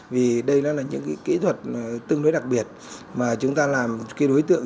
vì đây nó là những kỹ thuật tương đối đặc biệt mà chúng ta làm cái đối tượng